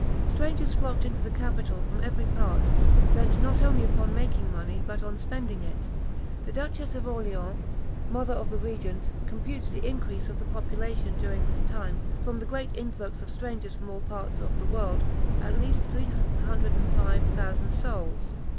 Strangers flocked into the capital from every part, bent not only upon making money, but on spending it. The Duchess of Orleans, mother of the regent, computes the increase of the population during this time, from the great influx of strangers from all parts of the world, at 305,000 souls.